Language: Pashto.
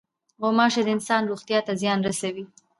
غوماشې د انسان روغتیا ته زیان رسوي.